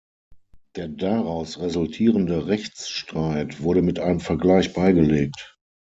Der daraus resultierende Rechtsstreit wurde mit einem Vergleich beigelegt.